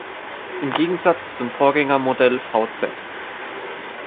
Im Gegensatz zum Vorgängermodell vz.